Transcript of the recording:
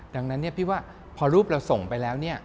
ดังนั้นพี่ว่าพอรูปเราส่งไปแล้วเนี่ย